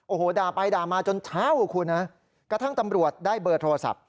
โอ้โหด่าไปด่ามาจนเช้าอ่ะคุณนะกระทั่งตำรวจได้เบอร์โทรศัพท์